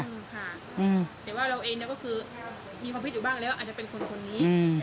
ค่ะแต่ว่าเราเองก็คือมีความคิดอยู่บ้างแล้วอาจจะเป็นคนคนนี้